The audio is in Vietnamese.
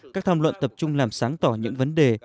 các tham luận tập trung làm sáng tỏ những vấn đề